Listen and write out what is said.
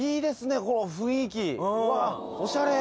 この雰囲気うわおしゃれ。